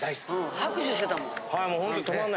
拍手してたもん。